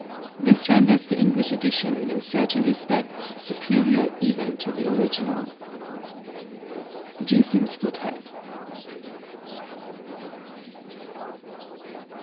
This renders the English edition in certain respects superior even to the original. G. SIMS WOODHEAD.